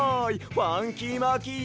ファンキーマーキー